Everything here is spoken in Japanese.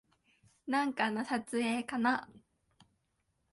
なんかの撮影かな